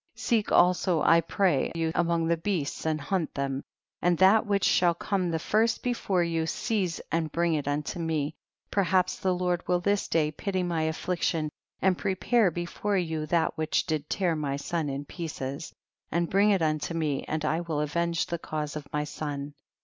37. Seek also, I pray you, among the beasts and hunt them, and that which shall come the first before you seize and bring it unto me, per haps the Lord will this day pity my affliction, and prepare before you that which did tear my son in pieces, and bring it unto me, and I will avenge the cause of my son.